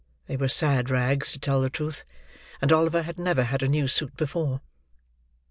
They were sad rags, to tell the truth; and Oliver had never had a new suit before.